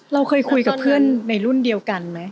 เราเคยคุยกับเพื่อนในรุ่นเดียวกันไหม